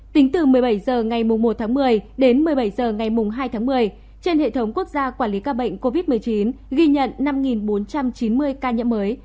tính từ một mươi bảy h ngày một tháng một mươi đến một mươi bảy h ngày hai tháng một mươi trên hệ thống quốc gia quản lý ca bệnh covid một mươi chín ghi nhận năm bốn trăm chín mươi ca nhiễm mới